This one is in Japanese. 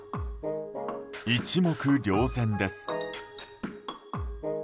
一目瞭然です。